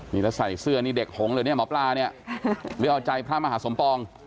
นี่เด็กหงเลยเนี่ยหมอปลาเนี่ยวิวาวใจพระมหาสมปอง